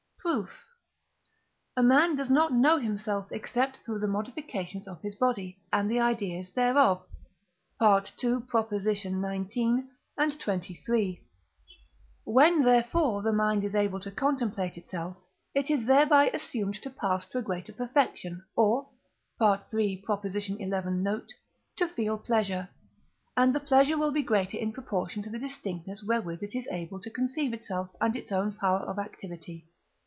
Proof. A man does not know himself except through the modifications of his body, and the ideas thereof (II. xix. and xxiii.). When, therefore, the mind is able to contemplate itself, it is thereby assumed to pass to a greater perfection, or (III. xi. note) to feel pleasure; and the pleasure will be greater in proportion to the distinctness, wherewith it is able to conceive itself and its own power of activity.